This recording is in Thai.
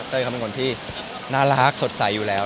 เขาเป็นคนที่น่ารักสดใสอยู่แล้ว